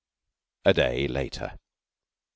A day later.